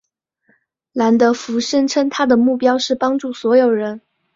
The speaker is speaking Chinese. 兰德福声称他的目标是帮助所有人。